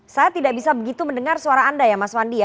saya tidak bisa begitu mendengar suara anda ya mas wandi ya